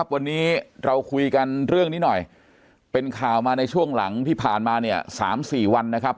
วันนี้เราคุยกันเรื่องนี้หน่อยเป็นข่าวมาในช่วงหลังที่ผ่านมาเนี่ย๓๔วันนะครับ